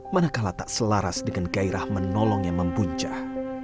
manakala tak selaras dengan gairah menolong yang membuncah